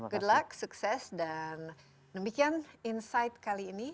good luck sukses dan demikian insight kali ini